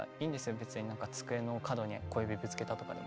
別になんか机の角に小指ぶつけたとかでも。